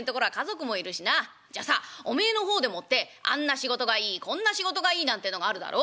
じゃあさおめえの方でもってあんな仕事がいいこんな仕事がいいなんてのがあるだろ？